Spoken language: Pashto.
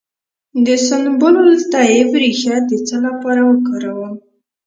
د سنبل الطیب ریښه د څه لپاره وکاروم؟